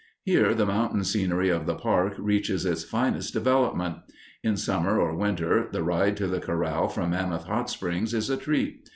Here the mountain scenery of the park reaches its finest development. In summer or winter the ride to the corral from Mammoth Hot Springs is a treat.